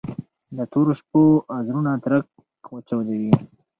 د تورو شپو زړونه ترک وچاودي